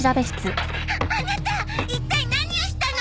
アナタ一体何をしたの！